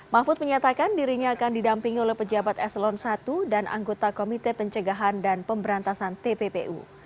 mahfud menyatakan dirinya akan didampingi oleh pejabat eselon i dan anggota komite pencegahan dan pemberantasan tppu